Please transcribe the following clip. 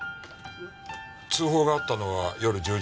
通報があったのは夜１０時過ぎ。